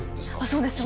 そうです。